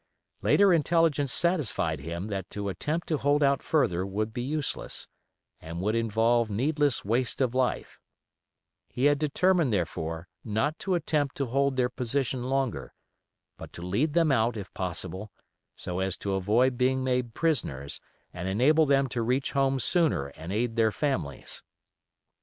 Later intelligence satisfied him that to attempt to hold out further would be useless, and would involve needless waste of life; he had determined, therefore, not to attempt to hold their position longer; but to lead them out, if possible, so as to avoid being made prisoners and enable them to reach home sooner and aid their families.